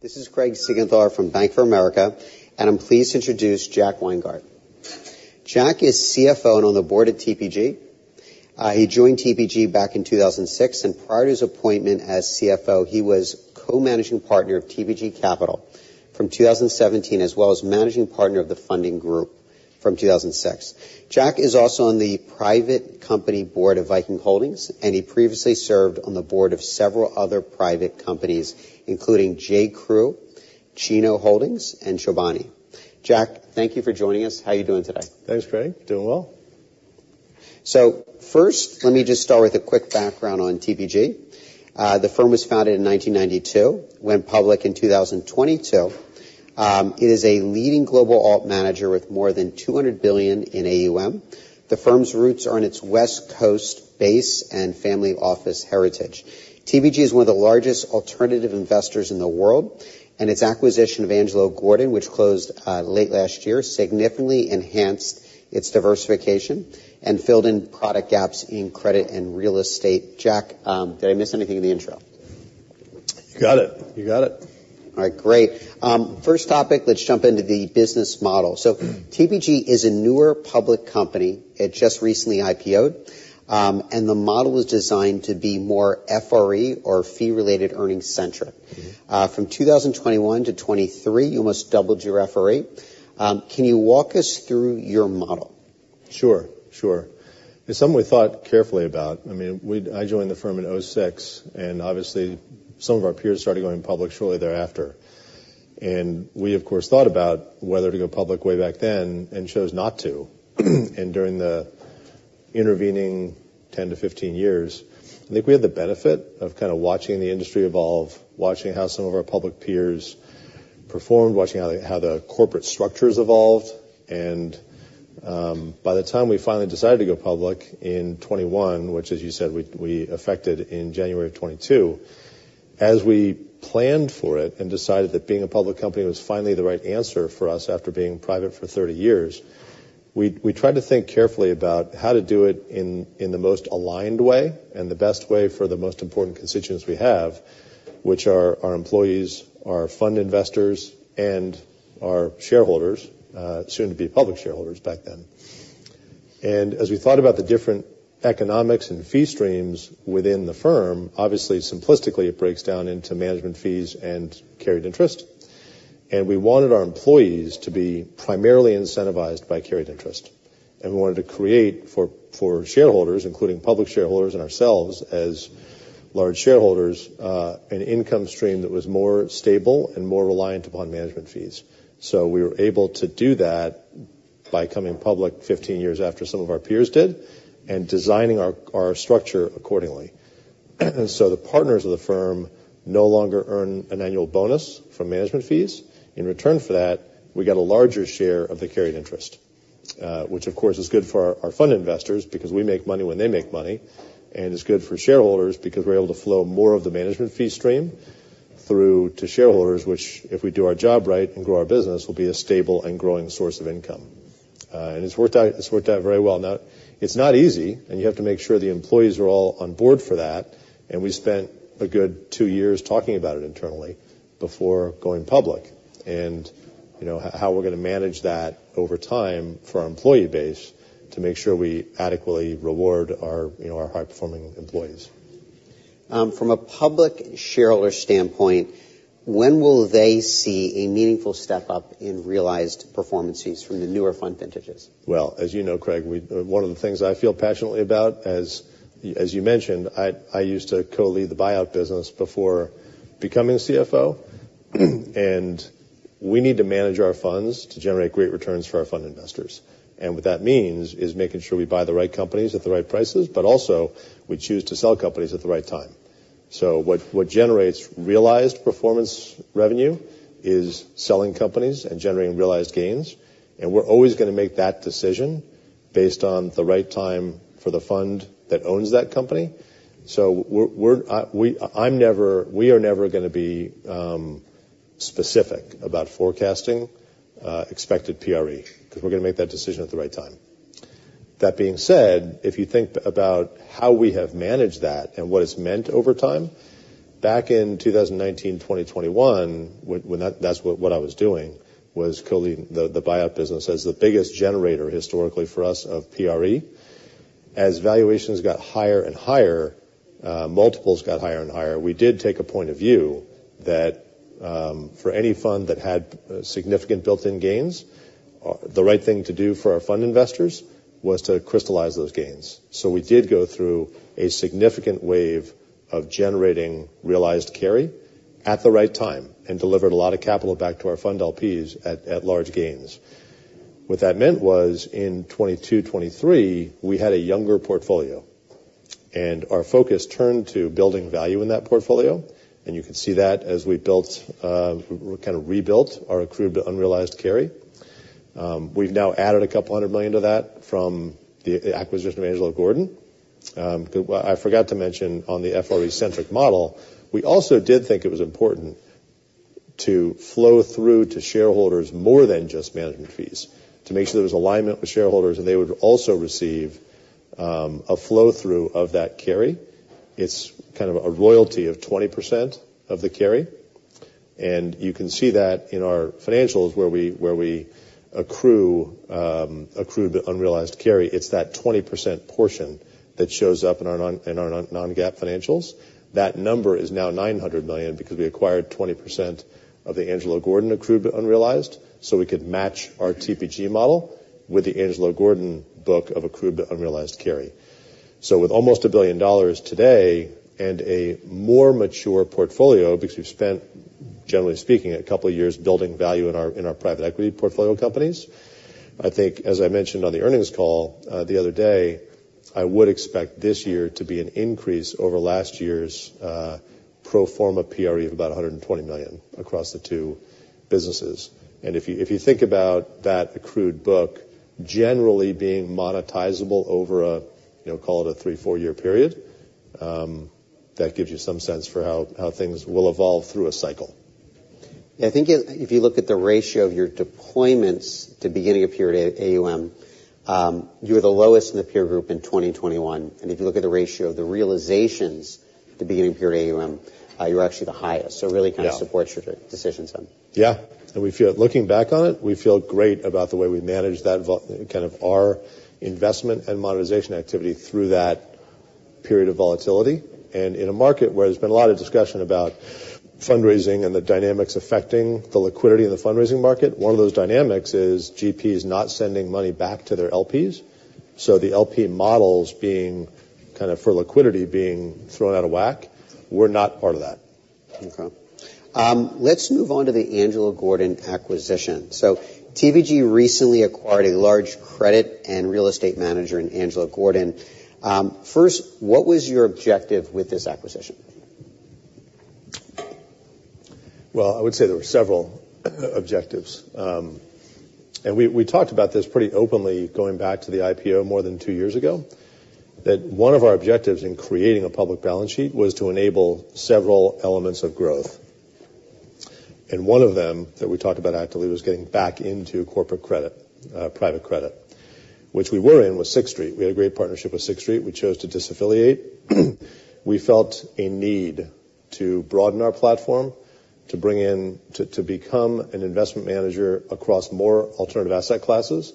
This is Craig Siegenthaler from Bank of America, and I'm pleased to introduce Jack Weingart. Jack is CFO and on the board at TPG. He joined TPG back in 2006, and prior to his appointment as CFO, he was co-managing partner of TPG Capital from 2017, as well as managing partner of the funding group from 2006. Jack is also on the private company board of Viking Holdings, and he previously served on the board of several other private companies, including J.Crew, Chinos Holdings, and Chobani. Jack, thank you for joining us. How are you doing today? Thanks, Craig. Doing well. So first, let me just start with a quick background on TPG. The firm was founded in 1992, went public in 2022. It is a leading global alt manager with more than $200 billion in AUM. The firm's roots are in its West Coast base and family office heritage. TPG is one of the largest alternative investors in the world, and its acquisition of Angelo Gordon, which closed late last year, significantly enhanced its diversification and filled in product gaps in credit and real estate. Jack, did I miss anything in the intro? You got it, you got it. All right, great. First topic, let's jump into the business model. So TPG is a newer public company. It just recently IPO'd, and the model was designed to be more FRE, or fee-related earnings, centric. Mm-hmm. From 2021 to 2023, you almost doubled your FRE. Can you walk us through your model? Sure, sure. It's something we thought carefully about. I mean, we-- I joined the firm in 2006, and obviously, some of our peers started going public shortly thereafter. And we, of course, thought about whether to go public way back then and chose not to. And during the intervening 10-15 years, I think we had the benefit of kind of watching the industry evolve, watching how some of our public peers performed, watching how the, how the corporate structures evolved. By the time we finally decided to go public in 2021, which, as you said, we affected in January of 2022, as we planned for it and decided that being a public company was finally the right answer for us after being private for 30 years, we tried to think carefully about how to do it in the most aligned way, and the best way for the most important constituents we have, which are our employees, our fund investors, and our shareholders, soon to be public shareholders back then. As we thought about the different economics and fee streams within the firm, obviously, simplistically, it breaks down into management fees and carried interest. We wanted our employees to be primarily incentivized by carried interest, and we wanted to create for shareholders, including public shareholders and ourselves as large shareholders, an income stream that was more stable and more reliant upon management fees. We were able to do that by coming public 15 years after some of our peers did and designing our structure accordingly. The partners of the firm no longer earn an annual bonus from management fees. In return for that, we get a larger share of the carried interest, which, of course, is good for our fund investors because we make money when they make money, and it's good for shareholders because we're able to flow more of the management fee stream through to shareholders, which, if we do our job right and grow our business, will be a stable and growing source of income. And it's worked out, it's worked out very well. Now, it's not easy, and you have to make sure the employees are all on board for that, and we spent a good two years talking about it internally before going public. And, you know, how we're gonna manage that over time for our employee base to make sure we adequately reward our, you know, our high-performing employees. From a public shareholder standpoint, when will they see a meaningful step-up in realized performance fees from the newer fund vintages? Well, as you know, Craig, one of the things I feel passionately about, as you mentioned, I used to co-lead the buyout business before becoming CFO, and we need to manage our funds to generate great returns for our fund investors. And what that means is making sure we buy the right companies at the right prices, but also we choose to sell companies at the right time. So what generates realized performance revenue is selling companies and generating realized gains, and we're always gonna make that decision based on the right time for the fund that owns that company. So we're never gonna be specific about forecasting expected PRE, because we're gonna make that decision at the right time. That being said, if you think about how we have managed that and what it's meant over time, back in 2019, 2020-2021, when that-- that's what I was doing, was co-leading the buyout business as the biggest generator, historically, for us of PRE. As valuations got higher and higher, multiples got higher and higher, we did take a point of view that, for any fund that had significant built-in gains, the right thing to do for our fund investors was to crystallize those gains. So we did go through a significant wave of generating realized carry at the right time and delivered a lot of capital back to our fund LPs at large gains. What that meant was, in 2022, 2023, we had a younger portfolio, and our focus turned to building value in that portfolio, and you can see that as we built, kind of rebuilt our accrued but unrealized carry. We've now added $200 million to that from the acquisition of Angelo Gordon. I forgot to mention on the FRE-centric model, we also did think it was important to flow through to shareholders more than just management fees, to make sure there was alignment with shareholders, and they would also receive a flow-through of that carry. It's kind of a royalty of 20% of the carry, and you can see that in our financials where we accrue accrued but unrealized carry, it's that 20% portion that shows up in our non-GAAP financials. That number is now $900 million, because we acquired 20% of the Angelo Gordon accrued but unrealized, so we could match our TPG model with the Angelo Gordon book of accrued but unrealized carry. So with almost $1 billion today and a more mature portfolio, because we've spent, generally speaking, a couple years building value in our private equity portfolio companies, I think, as I mentioned on the earnings call the other day, I would expect this year to be an increase over last year's pro forma PRE of about $120 million across the two businesses. And if you think about that accrued book generally being monetizable over a, you know, call it a 3-4-year period, that gives you some sense for how things will evolve through a cycle. I think if you look at the ratio of your deployments to beginning of period AUM, you were the lowest in the peer group in 2021, and if you look at the ratio of the realizations at the beginning of period AUM, you're actually the highest. Yeah. So really kind of supports your decisions then. Yeah. And we feel. Looking back on it, we feel great about the way we managed that volatility kind of our investment and monetization activity through that period of volatility. And in a market where there's been a lot of discussion about fundraising and the dynamics affecting the liquidity in the fundraising market, one of those dynamics is GPs not sending money back to their LPs. So the LP models being kind of, for liquidity, being thrown out of whack, we're not part of that. Okay. Let's move on to the Angelo Gordon acquisition. So TPG recently acquired a large credit and real estate manager in Angelo Gordon. First, what was your objective with this acquisition? Well, I would say there were several objectives. And we talked about this pretty openly, going back to the IPO more than two years ago, that one of our objectives in creating a public balance sheet was to enable several elements of growth. And one of them that we talked about actively was getting back into corporate credit, private credit, which we were in with Sixth Street. We had a great partnership with Sixth Street. We chose to disaffiliate. We felt a need to broaden our platform, to bring in to become an investment manager across more alternative asset classes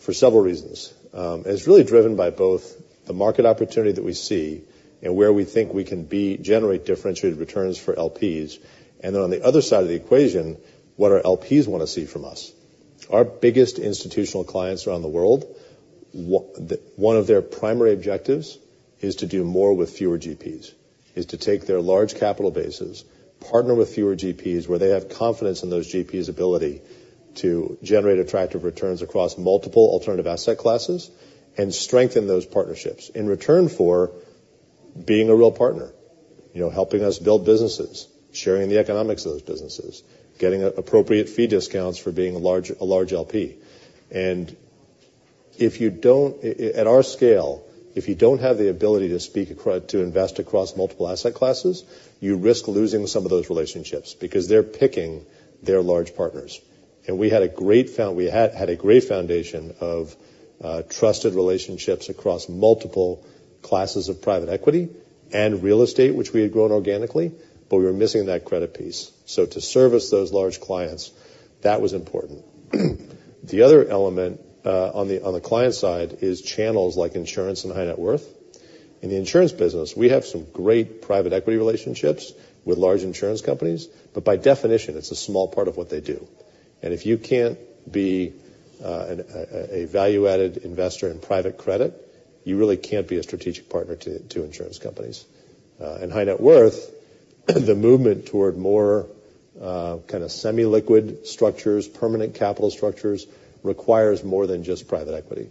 for several reasons. And it's really driven by both the market opportunity that we see and where we think we can generate differentiated returns for LPs. And then, on the other side of the equation, what our LPs wanna see from us. Our biggest institutional clients around the world, one of their primary objectives is to do more with fewer GPs, is to take their large capital bases, partner with fewer GPs, where they have confidence in those GPs' ability to generate attractive returns across multiple alternative asset classes and strengthen those partnerships in return for being a real partner. You know, helping us build businesses, sharing the economics of those businesses, getting appropriate fee discounts for being a large, a large LP. And if you don't... At our scale, if you don't have the ability to speak to invest across multiple asset classes, you risk losing some of those relationships, because they're picking their large partners. We had a great foundation of trusted relationships across multiple classes of private equity and real estate, which we had grown organically, but we were missing that credit piece. So to service those large clients, that was important. The other element on the client side is channels like insurance and high net worth. In the insurance business, we have some great private equity relationships with large insurance companies, but by definition, it's a small part of what they do. And if you can't be a value-added investor in private credit, you really can't be a strategic partner to insurance companies. And high net worth, the movement toward more kind of semi-liquid structures, permanent capital structures, requires more than just private equity.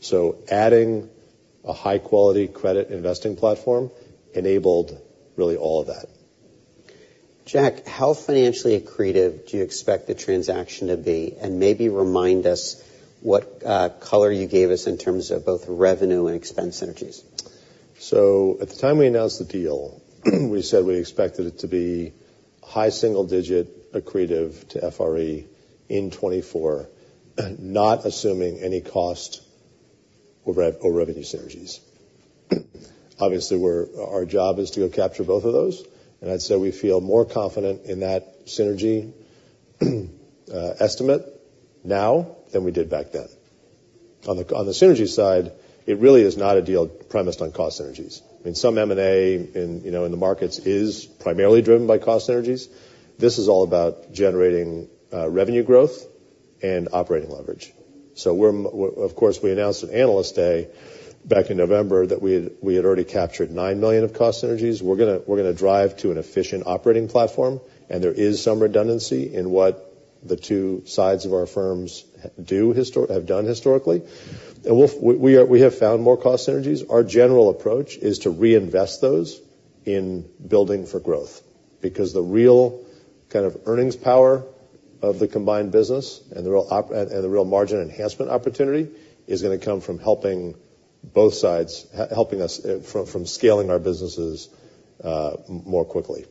So adding a high-quality credit investing platform enabled really all of that. Jack, how financially accretive do you expect the transaction to be? And maybe remind us what color you gave us in terms of both revenue and expense synergies. So at the time we announced the deal, we said we expected it to be high single digit accretive to FRE in 2024, not assuming any cost or rev, or revenue synergies. Obviously, we're our job is to go capture both of those, and I'd say we feel more confident in that synergy estimate now than we did back then. On the synergy side, it really is not a deal premised on cost synergies. I mean, some M&A, you know, in the markets is primarily driven by cost synergies. This is all about generating revenue growth and operating leverage. So we're of course, we announced at Analyst Day, back in November, that we had already captured $9 million of cost synergies. We're gonna drive to an efficient operating platform, and there is some redundancy in what the two sides of our firms have done historically. We have found more cost synergies. Our general approach is to reinvest those in building for growth, because the real kind of earnings power of the combined business and the real margin enhancement opportunity is gonna come from helping both sides, helping us from scaling our businesses more quickly....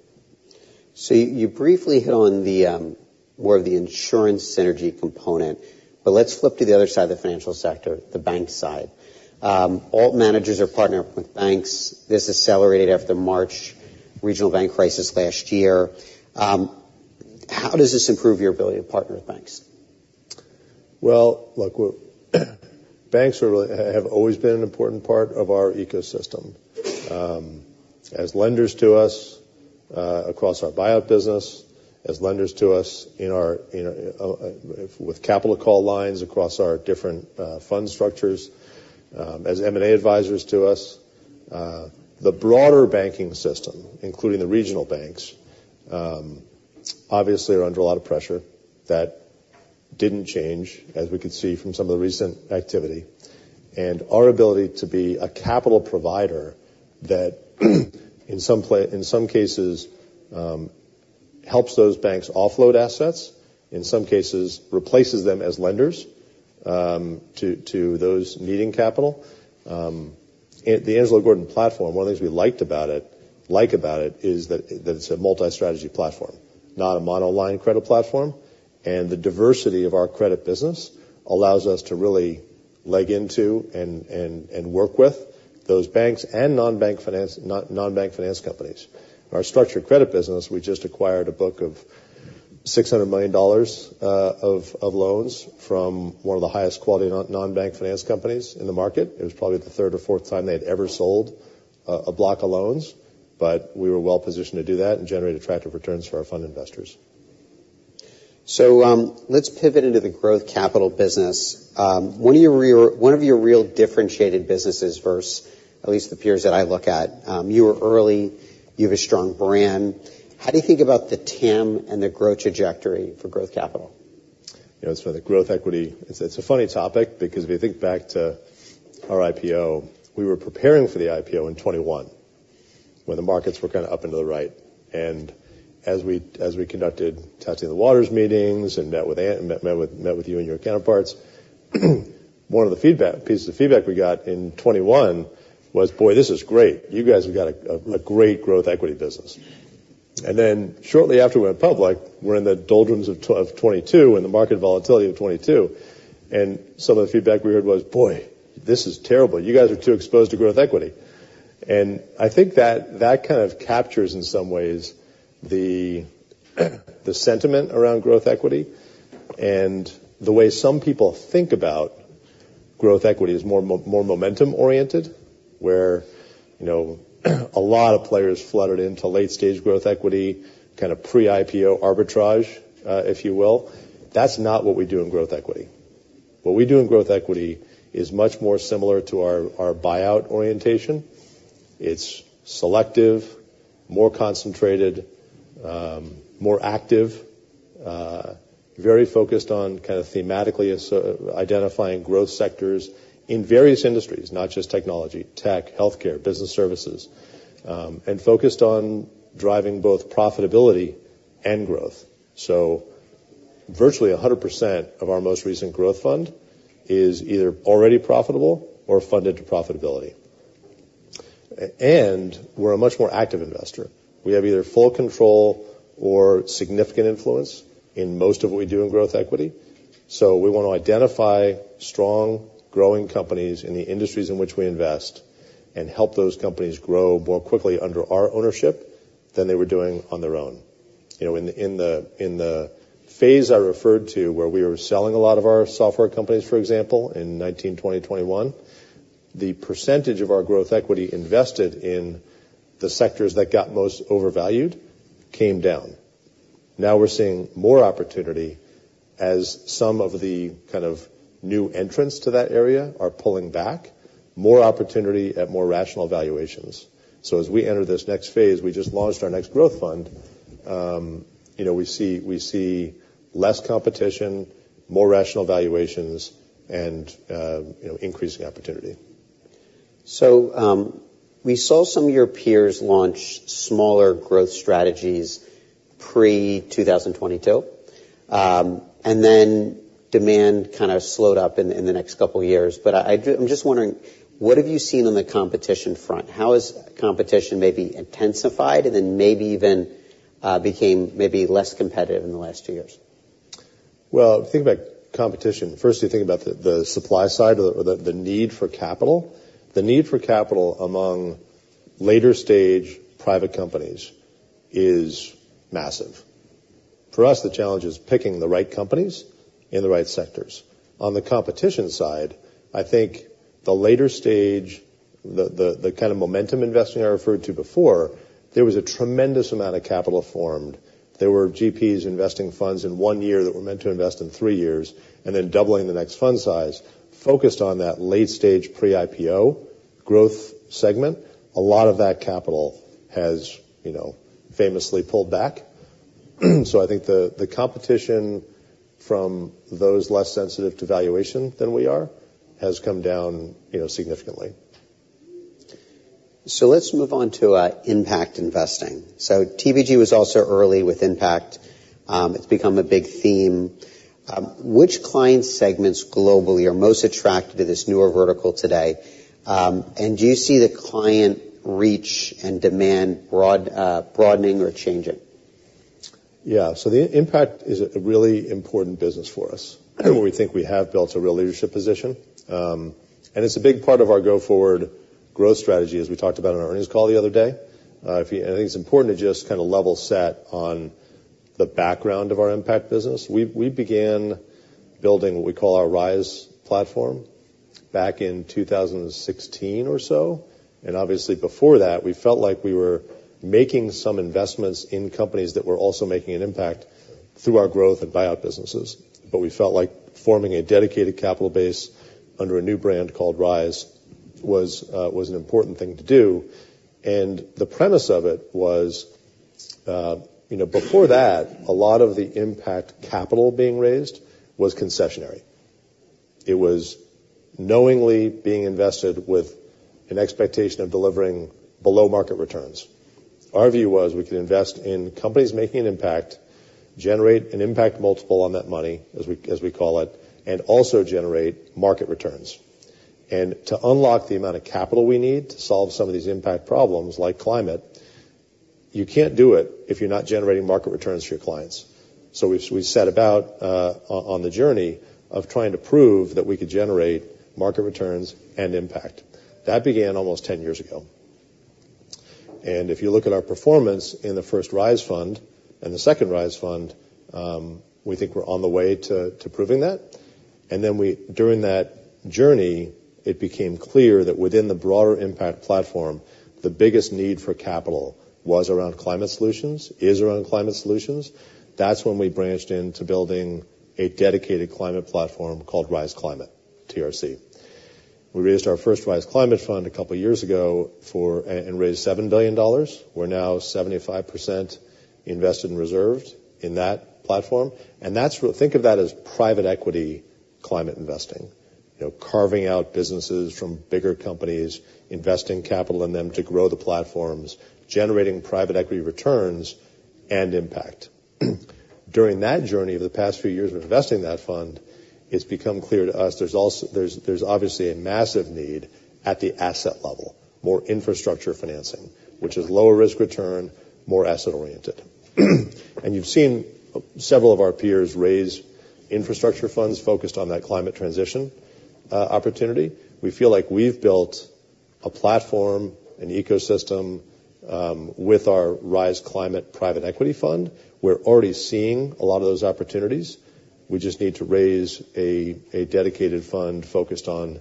So you briefly hit on the more of the insurance synergy component, but let's flip to the other side of the financial sector, the bank side. Alt managers are partnering up with banks. This accelerated after the March regional bank crisis last year. How does this improve your ability to partner with banks? Well, look, banks have always been an important part of our ecosystem, as lenders to us across our buyout business, as lenders to us with capital call lines across our different fund structures, as M&A advisors to us. The broader banking system, including the regional banks, obviously, are under a lot of pressure. That didn't change, as we could see from some of the recent activity. Our ability to be a capital provider that, in some cases, helps those banks offload assets, in some cases, replaces them as lenders to those needing capital. And the Angelo Gordon platform, one of the things we liked about it, like about it, is that, that it's a multi-strategy platform, not a monoline credit platform, and the diversity of our credit business allows us to really leg into and work with those banks and non-bank finance companies. Our structured credit business, we just acquired a book of $600 million of loans from one of the highest quality non-bank finance companies in the market. It was probably the third or fourth time they had ever sold a block of loans, but we were well-positioned to do that and generate attractive returns for our fund investors. So, let's pivot into the growth capital business. One of your real differentiated businesses versus at least the peers that I look at, you were early, you have a strong brand. How do you think about the TAM and the growth trajectory for growth capital? You know, as for the growth equity, it's a funny topic because if you think back to our IPO, we were preparing for the IPO in 2021, when the markets were kind of up and to the right. And as we conducted testing the waters meetings and met with you and your counterparts, one of the pieces of feedback we got in 2021 was, "Boy, this is great. You guys have got a great growth equity business." And then, shortly after we went public, we're in the doldrums of 2022, and the market volatility of 2022, and some of the feedback we heard was, "Boy, this is terrible. You guys are too exposed to growth equity." And I think that kind of captures, in some ways, the sentiment around growth equity, and the way some people think about growth equity is more momentum-oriented, where, you know, a lot of players flooded into late-stage growth equity, kind of pre-IPO arbitrage, if you will. That's not what we do in growth equity. What we do in growth equity is much more similar to our buyout orientation. It's selective, more concentrated, more active, very focused on kind of thematically, so identifying growth sectors in various industries, not just technology, tech, healthcare, business services, and focused on driving both profitability and growth. So virtually 100% of our most recent growth fund is either already profitable or funded to profitability. And we're a much more active investor. We have either full control or significant influence in most of what we do in growth equity. So we want to identify strong, growing companies in the industries in which we invest and help those companies grow more quickly under our ownership than they were doing on their own. You know, in the phase I referred to, where we were selling a lot of our software companies, for example, in 2019, 2020, 2021, the percentage of our growth equity invested in the sectors that got most overvalued came down. Now, we're seeing more opportunity as some of the kind of new entrants to that area are pulling back, more opportunity at more rational valuations. So as we enter this next phase, we just launched our next growth fund, you know, we see less competition, more rational valuations, and, you know, increasing opportunity. So, we saw some of your peers launch smaller growth strategies pre-2022, and then demand kind of slowed up in the next couple of years. But I, I'm just wondering, what have you seen on the competition front? How has competition maybe intensified and then maybe even became maybe less competitive in the last two years? Well, think about competition. First, you think about the supply side or the need for capital. The need for capital among later-stage private companies is massive. For us, the challenge is picking the right companies in the right sectors. On the competition side, I think the later stage, the kind of momentum investing I referred to before, there was a tremendous amount of capital formed. There were GPs investing funds in one year that were meant to invest in three years, and then doubling the next fund size, focused on that late-stage pre-IPO growth segment. A lot of that capital has, you know, famously pulled back. So I think the competition from those less sensitive to valuation than we are has come down, you know, significantly. So let's move on to impact investing. So TPG was also early with impact. It's become a big theme. Which client segments globally are most attracted to this newer vertical today? And do you see the client reach and demand broadening or changing? Yeah, so the impact is a really important business for us, where we think we have built a real leadership position. And it's a big part of our go-forward growth strategy, as we talked about on our earnings call the other day. I think it's important to just kind of level set on the background of our impact business. We began building what we call our Rise platform back in 2016 or so. And obviously, before that, we felt like we were making some investments in companies that were also making an impact through our growth and buyout businesses. But we felt like forming a dedicated capital base under a new brand called Rise was an important thing to do. The premise of it was, you know, before that, a lot of the impact capital being raised was concessionary. It was knowingly being invested with an expectation of delivering below-market returns. Our view was we could invest in companies making an impact, generate an impact multiple on that money, as we, as we call it, and also generate market returns. And to unlock the amount of capital we need to solve some of these impact problems, like climate, you can't do it if you're not generating market returns for your clients. So we, we set about, on, on the journey of trying to prove that we could generate market returns and impact. That began almost 10 years ago. And if you look at our performance in the first Rise fund and the second Rise fund, we think we're on the way to, to proving that. During that journey, it became clear that within the broader impact platform, the biggest need for capital was around climate solutions, is around climate solutions. That's when we branched into building a dedicated climate platform called Rise Climate, TRC. We raised our first Rise Climate Fund a couple years ago and raised $7 billion. We're now 75% invested in reserves in that platform, and that's where—Think of that as private equity climate investing. You know, carving out businesses from bigger companies, investing capital in them to grow the platforms, generating private equity returns and impact. During that journey, over the past few years of investing in that fund, it's become clear to us there's also a massive need at the asset level, more infrastructure financing, which is lower risk return, more asset oriented. You've seen several of our peers raise infrastructure funds focused on that climate transition opportunity. We feel like we've built a platform, an ecosystem, with our Rise Climate private equity fund. We're already seeing a lot of those opportunities. We just need to raise a dedicated fund focused on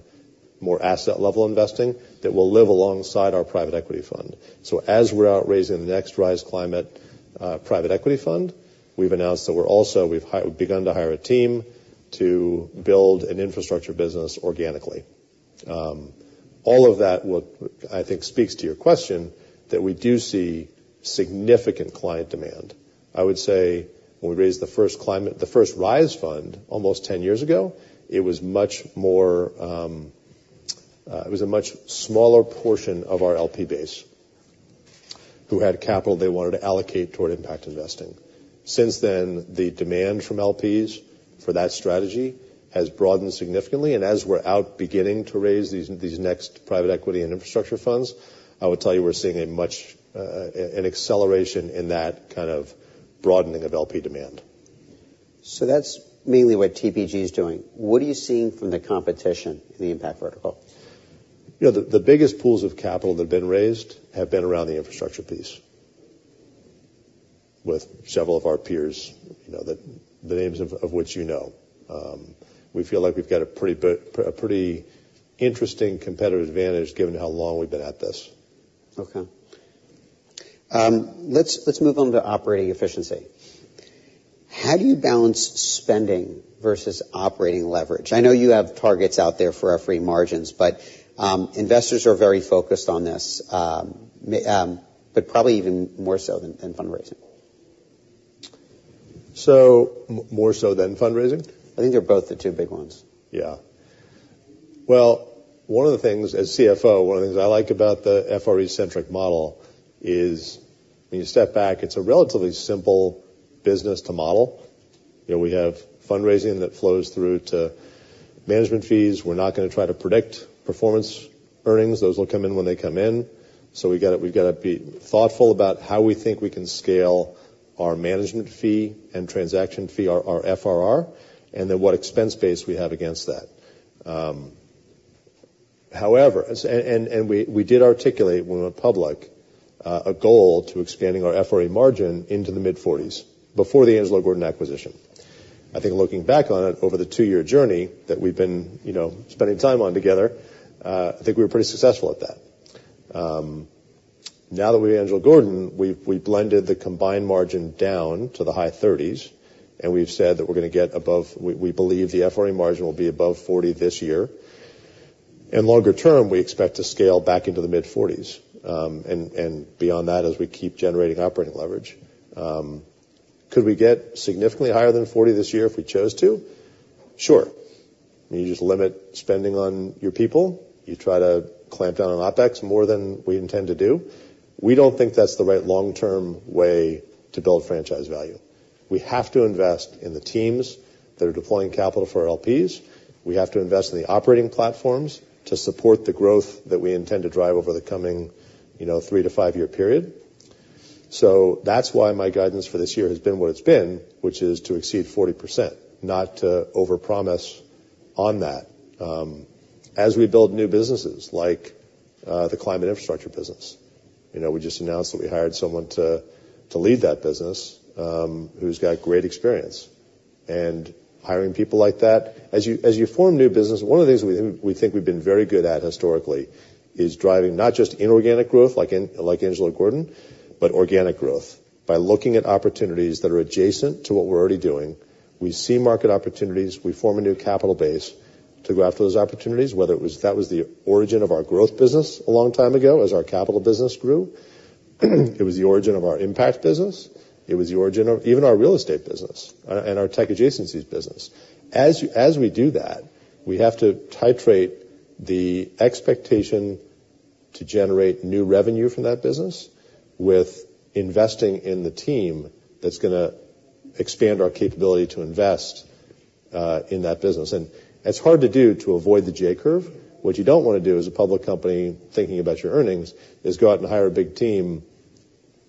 more asset-level investing that will live alongside our private equity fund. So as we're out raising the next Rise Climate private equity fund, we've announced that we're also begun to hire a team to build an infrastructure business organically. All of that will, I think, speaks to your question, that we do see significant client demand. I would say when we raised the first climate, the first Rise fund, almost 10 years ago, it was much more, it was a much smaller portion of our LP base who had capital they wanted to allocate toward impact investing. Since then, the demand from LPs for that strategy has broadened significantly, and as we're out beginning to raise these next private equity and infrastructure funds, I would tell you we're seeing a much, an acceleration in that kind of broadening of LP demand. That's mainly what TPG is doing. What are you seeing from the competition in the impact vertical? You know, the biggest pools of capital that have been raised have been around the infrastructure piece, with several of our peers, you know, the names of which you know. We feel like we've got a pretty interesting competitive advantage given how long we've been at this. Okay. Let's move on to operating efficiency. How do you balance spending versus operating leverage? I know you have targets out there for our free margins, but investors are very focused on this, maybe, but probably even more so than fundraising. So more so than fundraising? I think they're both the two big ones. Yeah. Well, one of the things, as CFO, one of the things I like about the FRE-centric model is when you step back, it's a relatively simple business to model, you know, we have fundraising that flows through to management fees. We're not gonna try to predict performance earnings. Those will come in when they come in. So we gotta, we've gotta be thoughtful about how we think we can scale our management fee and transaction fee, our FRR, and then what expense base we have against that. However, we did articulate when we went public a goal to expanding our FRE margin into the mid-forties before the Angelo Gordon acquisition. I think looking back on it, over the two-year journey that we've been, you know, spending time on together, I think we're pretty successful at that. Now that we're Angelo Gordon, we've blended the combined margin down to the high 30s, and we've said that we're gonna get above 40. We believe the FRE margin will be above 40 this year. Longer term, we expect to scale back into the mid-40s, and beyond that, as we keep generating operating leverage. Could we get significantly higher than 40 this year if we chose to? Sure. You just limit spending on your people, you try to clamp down on OpEx more than we intend to do. We don't think that's the right long-term way to build franchise value. We have to invest in the teams that are deploying capital for our LPs. We have to invest in the operating platforms to support the growth that we intend to drive over the coming, you know, 3- to 5-year period. So that's why my guidance for this year has been what it's been, which is to exceed 40%, not to overpromise on that. As we build new businesses, like, the climate infrastructure business, you know, we just announced that we hired someone to lead that business, who's got great experience. And hiring people like that, as you form new business, one of the things we think we've been very good at historically is driving not just inorganic growth, like Angelo Gordon, but organic growth. By looking at opportunities that are adjacent to what we're already doing, we see market opportunities, we form a new capital base to go after those opportunities, whether it was. That was the origin of our growth business a long time ago, as our capital business grew. It was the origin of our impact business, it was the origin of even our real estate business, and our tech adjacencies business. As we do that, we have to titrate the expectation to generate new revenue from that business with investing in the team that's gonna expand our capability to invest in that business. And that's hard to do to avoid the J-curve. What you don't wanna do as a public company, thinking about your earnings, is go out and hire a big team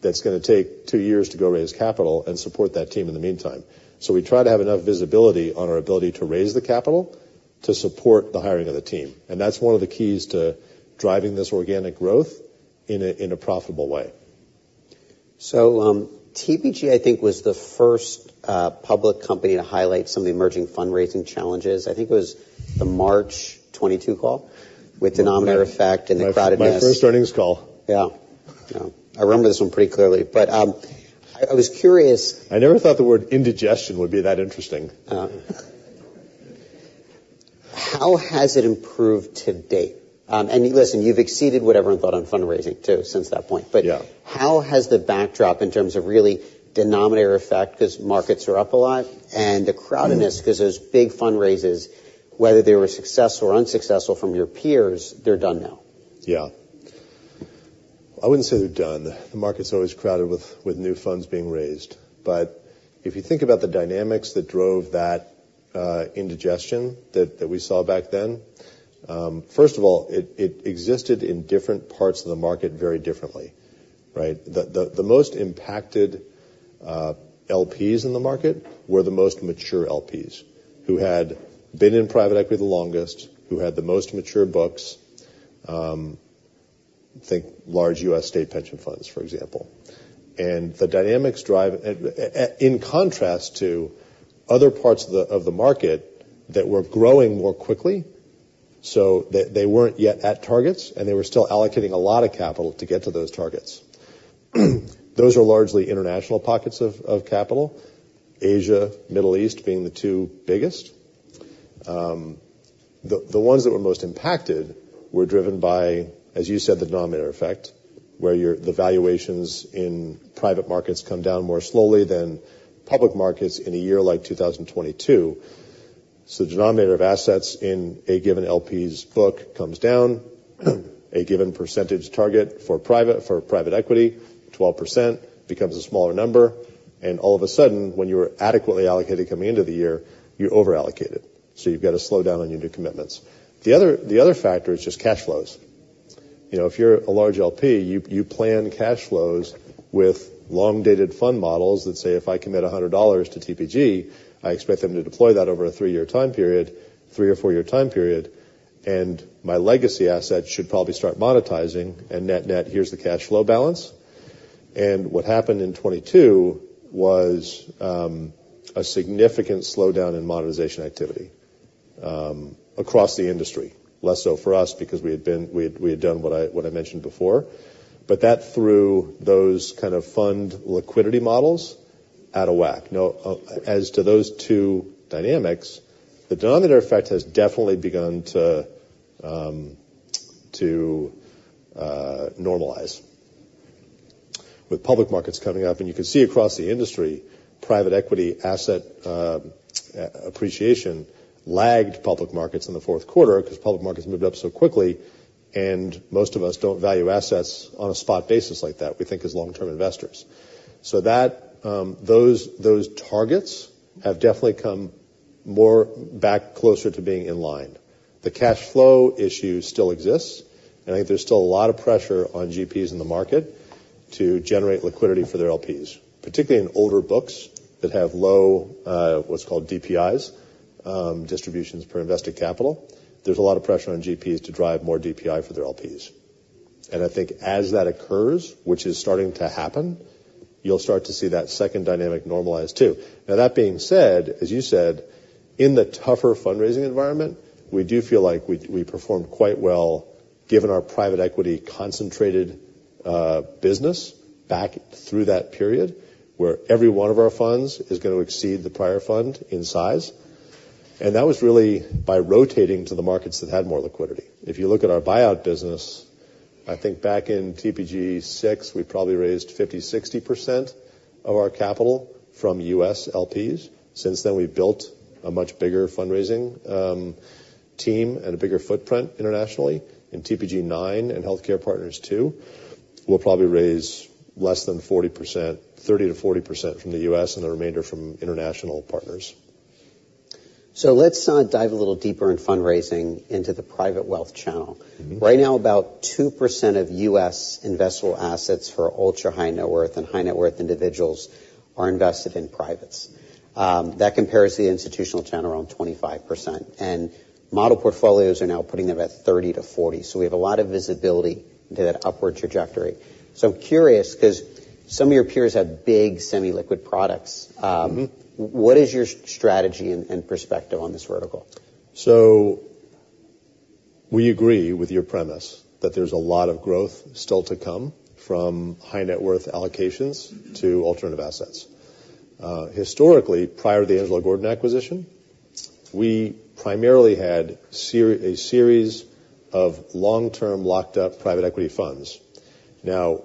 that's gonna take two years to go raise capital and support that team in the meantime. So we try to have enough visibility on our ability to raise the capital to support the hiring of the team, and that's one of the keys to driving this organic growth in a profitable way. TPG, I think, was the first public company to highlight some of the emerging fundraising challenges. I think it was the March 2022 call with denominator effect and the crowdedness. My first earnings call. Yeah. Yeah, I remember this one pretty clearly, but I was curious- I never thought the word indigestion would be that interesting. How has it improved to date? And listen, you've exceeded what everyone thought on fundraising, too, since that point. Yeah. But how has the backdrop, in terms of really denominator effect, because markets are up a lot, and the crowdedness, 'cause those big fundraisers, whether they were successful or unsuccessful from your peers, they're done now? Yeah. I wouldn't say they're done. The market's always crowded with new funds being raised. But if you think about the dynamics that drove that indigestion that we saw back then, first of all, it existed in different parts of the market very differently, right? The most impacted LPs in the market were the most mature LPs, who had been in private equity the longest, who had the most mature books, think large U.S. state pension funds, for example. In contrast to other parts of the market that were growing more quickly, so they weren't yet at targets, and they were still allocating a lot of capital to get to those targets. Those are largely international pockets of capital, Asia, Middle East being the two biggest. The ones that were most impacted were driven by, as you said, the denominator effect, where the valuations in private markets come down more slowly than public markets in a year like 2022. So the denominator of assets in a given LP's book comes down, a given percentage target for private, for private equity, 12%, becomes a smaller number, and all of a sudden, when you are adequately allocated coming into the year, you're overallocated, so you've got to slow down on your new commitments. The other factor is just cash flows. You know, if you're a large LP, you plan cash flows with long-dated fund models that say, "If I commit $100 to TPG, I expect them to deploy that over a 3-year time period, 3- or 4-year time period, and my legacy assets should probably start monetizing, and net-net, here's the cash flow balance." And what happened in 2022 was a significant slowdown in monetization activity across the industry. Less so for us because we had done what I mentioned before. But that threw those kind of fund liquidity models out of whack. Now, as to those two dynamics, the denominator effect has definitely begun to normalize. With public markets coming up, and you can see across the industry, private equity asset appreciation lagged public markets in the fourth quarter, because public markets moved up so quickly, and most of us don't value assets on a spot basis like that. We think as long-term investors. So that, those targets have definitely come more back closer to being in line. The cash flow issue still exists, and I think there's still a lot of pressure on GPs in the market to generate liquidity for their LPs, particularly in older books that have low what's called DPIs, distributions per invested capital. There's a lot of pressure on GPs to drive more DPI for their LPs. And I think as that occurs, which is starting to happen, you'll start to see that second dynamic normalize, too. Now, that being said, as you said, in the tougher fundraising environment, we do feel like we performed quite well, given our private equity concentrated business back through that period, where every one of our funds is gonna exceed the prior fund in size, and that was really by rotating to the markets that had more liquidity. If you look at our buyout business. I think back in TPG 6, we probably raised 50-60% of our capital from U.S. LPs. Since then, we've built a much bigger fundraising team and a bigger footprint internationally. In TPG 9 and Healthcare Partners 2, we'll probably raise less than 40%, 30%-40% from the U.S., and the remainder from international partners. So let's dive a little deeper in fundraising into the private wealth channel. Mm-hmm. Right now, about 2% of U.S. investable assets for ultra high net worth and high net worth individuals are invested in privates. That compares to the institutional channel, around 25%, and model portfolios are now putting them at 30%-40%. So we have a lot of visibility to that upward trajectory. So I'm curious, 'cause some of your peers have big semi-liquid products, Mm-hmm. What is your strategy and perspective on this vertical? So we agree with your premise, that there's a lot of growth still to come from high net worth allocations to alternative assets. Historically, prior to the Angelo Gordon acquisition, we primarily had a series of long-term, locked-up private equity funds. Now,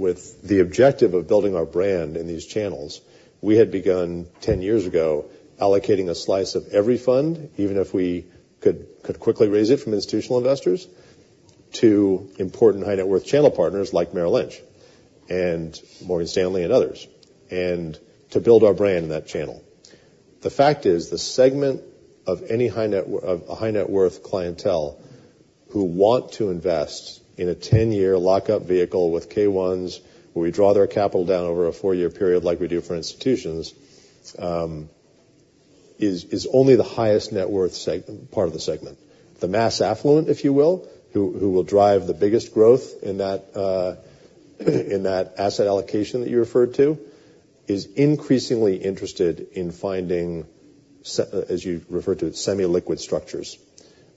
with the objective of building our brand in these channels, we had begun, 10 years ago, allocating a slice of every fund, even if we could quickly raise it from institutional investors, to important high net worth channel partners like Merrill Lynch and Morgan Stanley and others, and to build our brand in that channel. The fact is, the segment of any high net worth clientele who want to invest in a 10-year lockup vehicle with K-1s, where we draw their capital down over a 4-year period like we do for institutions, is only the highest net worth part of the segment. The mass affluent, if you will, who will drive the biggest growth in that, in that asset allocation that you referred to, is increasingly interested in finding as you referred to it, semi-liquid structures,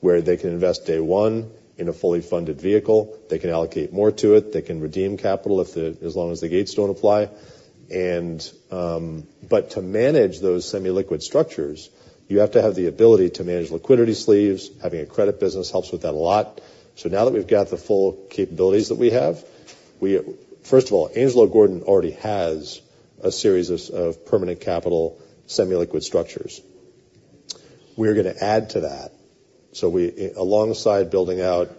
where they can invest day one in a fully funded vehicle. They can allocate more to it. They can redeem capital if, as long as the gates don't apply. But to manage those semi-liquid structures, you have to have the ability to manage liquidity sleeves. Having a credit business helps with that a lot. So now that we've got the full capabilities that we have, we have. First of all, Angelo Gordon already has a series of permanent capital, semi-liquid structures. We're gonna add to that. So, alongside building out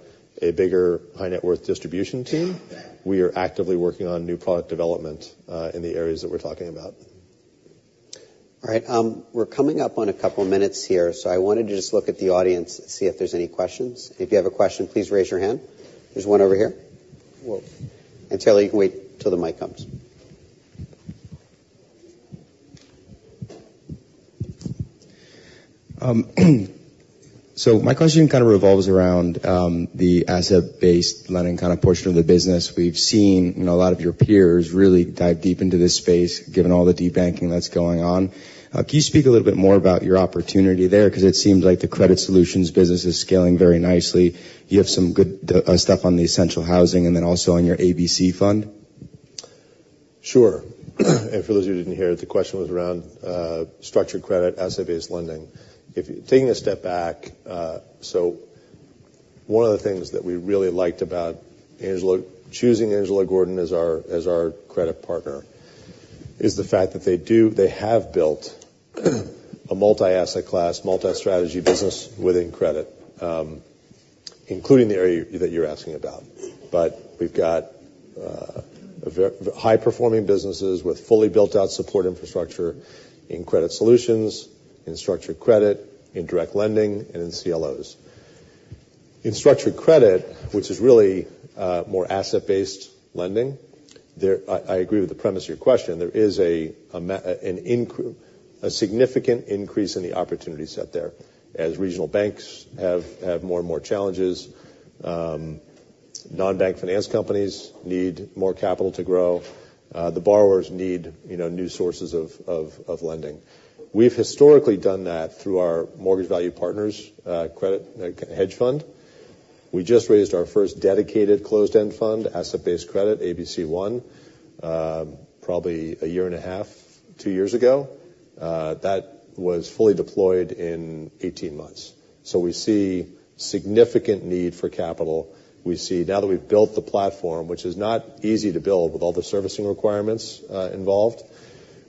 a bigger high net worth distribution team, we are actively working on new product development in the areas that we're talking about. All right, we're coming up on a couple minutes here, so I wanted to just look at the audience and see if there's any questions. If you have a question, please raise your hand. There's one over here. Whoa! And Taylor, you can wait till the mic comes. So my question kind of revolves around the asset-based lending kind of portion of the business. We've seen, you know, a lot of your peers really dive deep into this space, given all the debanking that's going on. Can you speak a little bit more about your opportunity there? 'Cause it seems like the credit solutions business is scaling very nicely. You have some good stuff on the essential housing and then also on your ABC fund. Sure. For those who didn't hear it, the question was around structured credit, asset-based lending. Taking a step back, one of the things that we really liked about choosing Angelo Gordon as our credit partner is the fact that they have built a multi-asset class, multi-strategy business within credit, including the area that you're asking about. But we've got high-performing businesses with fully built-out support infrastructure in credit solutions, in structured credit, in direct lending, and in CLOs. In structured credit, which is really more asset-based lending, I agree with the premise of your question. There is a significant increase in the opportunity set there. As regional banks have more and more challenges, non-bank finance companies need more capital to grow, the borrowers need, you know, new sources of lending. We've historically done that through our Mortgage Value Partners, credit, like, hedge fund. We just raised our first dedicated closed-end fund, asset-based credit, ABC 1, probably a year and a half, two years ago. That was fully deployed in 18 months. So we see significant need for capital. We see, now that we've built the platform, which is not easy to build with all the servicing requirements involved,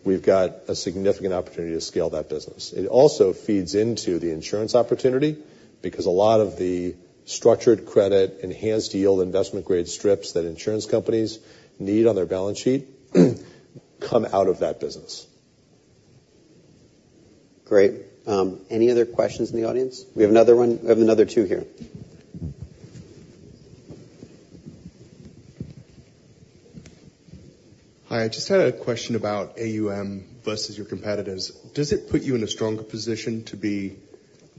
we've got a significant opportunity to scale that business. It also feeds into the insurance opportunity, because a lot of the structured credit, enhanced yield, investment-grade strips that insurance companies need on their balance sheet, come out of that business. Great. Any other questions in the audience? We have another one. We have another two here. Hi, I just had a question about AUM versus your competitors. Does it put you in a stronger position to be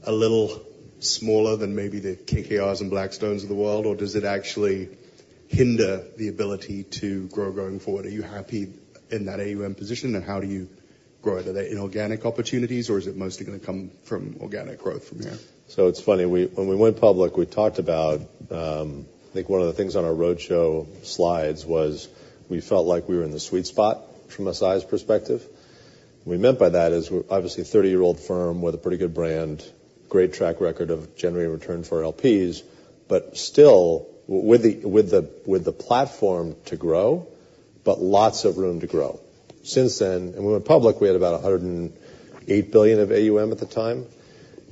a little smaller than maybe the KKR's and Blackstones of the world, or does it actually hinder the ability to grow going forward? Are you happy in that AUM position, and how do you grow? Are they in organic opportunities, or is it mostly gonna come from organic growth from here? So it's funny, we when we went public, we talked about, I think one of the things on our roadshow slides was we felt like we were in the sweet spot from a size perspective. What we meant by that is we're obviously a 30-year-old firm with a pretty good brand, great track record of generating return for our LPs, but still with the, with the, with the platform to grow, but lots of room to grow. Since then, we went public, we had about $108 billion of AUM at the time.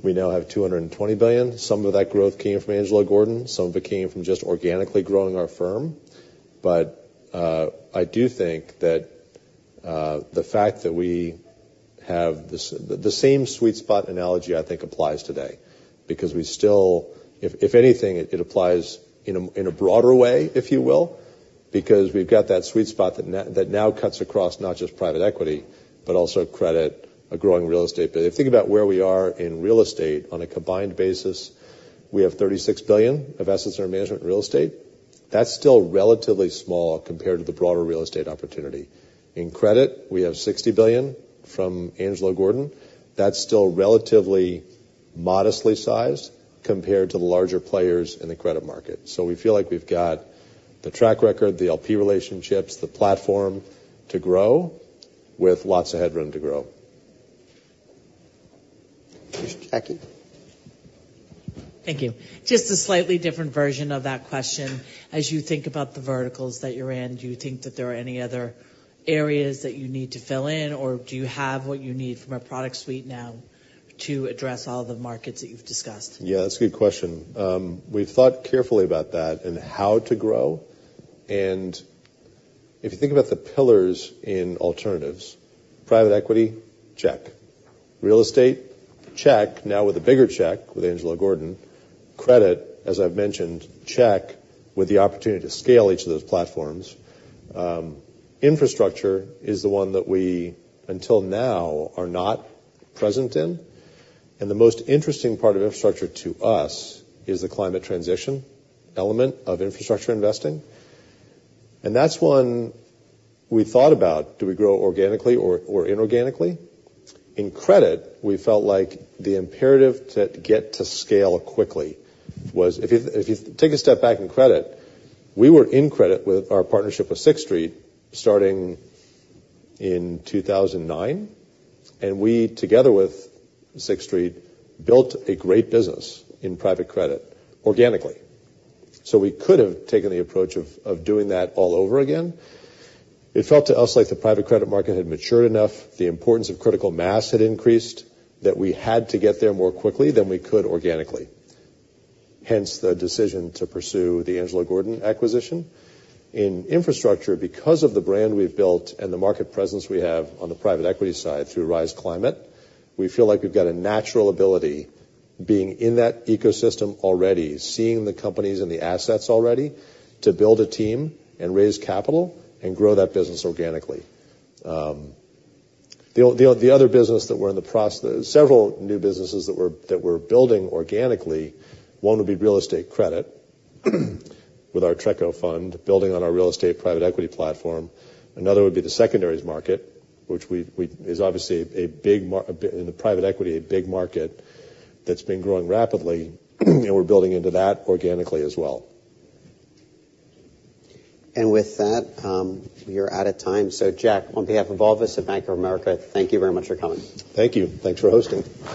We now have $220 billion. Some of that growth came from Angelo Gordon, some of it came from just organically growing our firm. But, I do think that, the fact that we have this the same sweet spot analogy, I think, applies today, because we still... If anything, it applies in a broader way, if you will, because we've got that sweet spot that now cuts across not just private equity, but also credit, a growing real estate. But if you think about where we are in real estate on a combined basis, we have $36 billion of assets under management in real estate. That's still relatively small compared to the broader real estate opportunity. In credit, we have $60 billion from Angelo Gordon. That's still relatively modestly sized compared to the larger players in the credit market. So we feel like we've got the track record, the LP relationships, the platform to grow, with lots of headroom to grow. Jackie? Thank you. Just a slightly different version of that question. As you think about the verticals that you're in, do you think that there are any other areas that you need to fill in, or do you have what you need from a product suite now to address all the markets that you've discussed? Yeah, that's a good question. We've thought carefully about that and how to grow. And if you think about the pillars in alternatives, private equity, check; real estate, check, now with a bigger check with Angelo Gordon; credit, as I've mentioned, check, with the opportunity to scale each of those platforms. Infrastructure is the one that we, until now, are not present in. And the most interesting part of infrastructure to us is the climate transition element of infrastructure investing. And that's one we thought about, do we grow organically or inorganically? In credit, we felt like the imperative to get to scale quickly was... If you take a step back in credit, we were in credit with our partnership with Sixth Street, starting in 2009, and we, together with Sixth Street, built a great business in private credit organically. So we could have taken the approach of, of doing that all over again. It felt to us like the private credit market had matured enough, the importance of critical mass had increased, that we had to get there more quickly than we could organically, hence the decision to pursue the Angelo Gordon acquisition. In infrastructure, because of the brand we've built and the market presence we have on the private equity side through Rise Climate, we feel like we've got a natural ability, being in that ecosystem already, seeing the companies and the assets already, to build a team and raise capital and grow that business organically. The other business that we're—several new businesses that we're building organically, one would be real estate credit, with our TREC Fund, building on our real estate private equity platform. Another would be the secondaries market, which is obviously a big market in the private equity, a big market that's been growing rapidly, and we're building into that organically as well. With that, we are out of time. Jack, on behalf of all of us at Bank of America, thank you very much for coming. Thank you. Thanks for hosting.